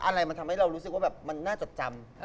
อะไรมันทำให้เรารู้สึกว่าแบบมันน่าจดจำ